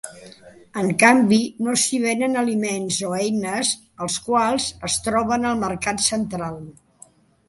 En canvi no s'hi venen aliments o eines, els quals es troben al Mercat Central.